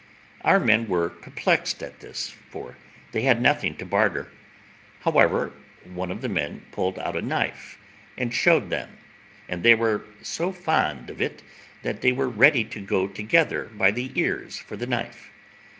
Our men were perplexed at this, for they had nothing to barter; however, one of the men pulled out a knife and showed them, and they were so fond of it that they were ready to go together by the ears for the knife.